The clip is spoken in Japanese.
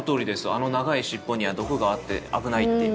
あの長い尻尾には毒があって危ないっていうね。